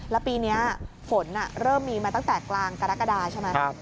แล้วปีนี้ฝนเริ่มมีมาตั้งแต่กลางกรกฎาใช่ไหม